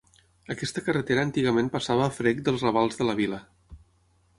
Aquesta carretera antigament passava a frec dels ravals de la vila.